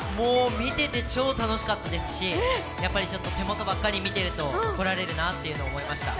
見てて超楽しかったですし、やっぱり手元ばっかり見てると怒られるなというのを思いました。